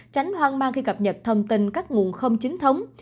tránh hoang mang khi cập nhật thông tin các nguồn không chính thống